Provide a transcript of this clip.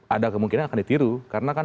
ada kemungkinan akan ditiru karena kan